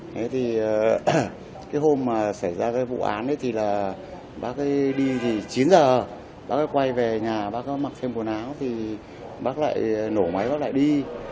thế thì cái hôm mà xảy ra cái vụ án ấy thì là bác cái đi thì chín h bác cái quay về nhà bác cái mặc thêm quần áo thì bác lại nổ máy bác lại đi